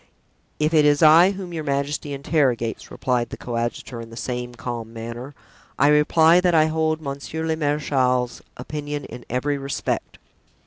"If it is I whom your majesty interrogates," replied the coadjutor in the same calm manner, "I reply that I hold monsieur le marechal's opinion in every respect."